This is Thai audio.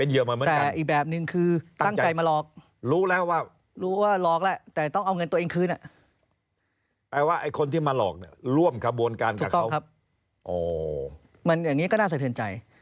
อย่างนี้ก็ได้